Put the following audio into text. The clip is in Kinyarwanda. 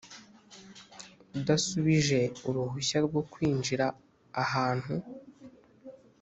udasubije uruhushya rwo kwinjira ahantu